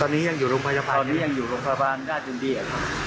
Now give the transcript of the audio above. ตอนนี้ยังอยู่โรงพยาบาลตอนนี้ยังอยู่โรงพยาบาลญาติยินดีครับ